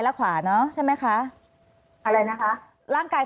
อันดับที่สุดท้าย